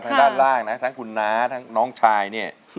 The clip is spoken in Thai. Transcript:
ทางด้านล่างนะทั้งคุณน้าทั้งน้องชายเนี่ย